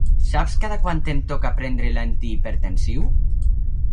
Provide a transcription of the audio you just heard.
Saps cada quant em toca prendre l'antihipertensiu?